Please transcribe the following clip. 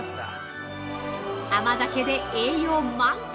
◆甘酒で栄養満点！